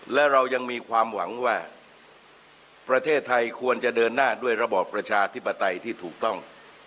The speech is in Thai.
และเรายังมีความหวังว่าประเทศไทยควรจะเดินหน้าด้วยระบอบประชาธิปไตยที่ถูกต้อง